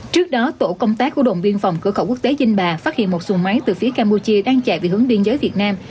trước đó tổ công tác của đồng biên phòng cửa khẩu quốc tế dinh bà phát hiện một xuồng máy từ phía campuchia đang chạy về hướng biên giới việt nam